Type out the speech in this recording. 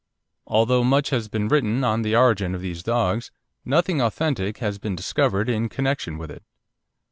Although much has been written on the origin of these dogs, nothing authentic has been discovered in connection with it.